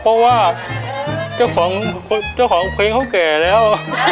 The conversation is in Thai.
เพราะว่าเจ้าของเครงเขาแก่แล้ว